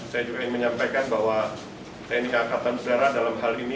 saya juga ingin menyampaikan bahwa tni angkatan udara dalam hal ini